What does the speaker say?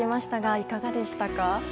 いかがでしたか？